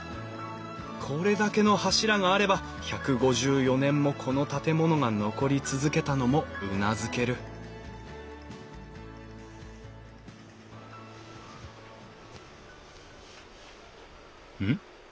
これだけの柱があれば１５４年もこの建物が残り続けたのもうなずけるうん？